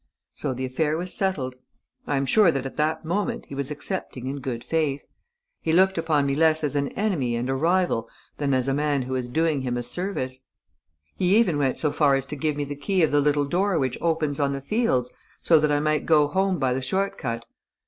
So the affair was settled. I am sure that at that moment he was accepting in good faith. He looked upon me less as an enemy and a rival than as a man who was doing him a service. He even went so far as to give me the key of the little door which opens on the fields, so that I might go home by the short cut.